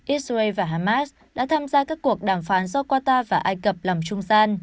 israel và hamas đã tham gia các cuộc đàm phán do qatar và ai cập làm trung gian